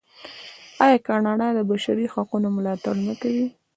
آیا کاناډا د بشري حقونو ملاتړ نه کوي؟